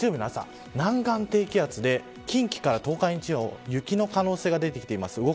南岸低気圧で、近畿から東海地方雪の可能性が出てきています。